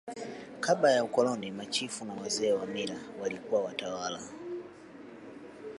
kabla ya ukoloni machifu na wazee wa mila walikuwa watawala